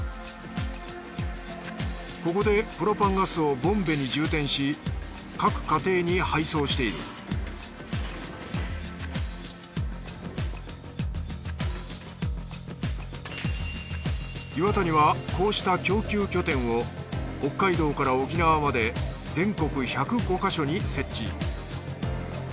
ここでプロパンガスをボンベに充填し各家庭に配送している岩谷はこうした供給拠点を北海道から沖縄まで全国１０５ヵ所に設置。